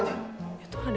cepet beli bawah aja